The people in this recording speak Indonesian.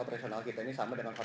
usaha yang usahanya input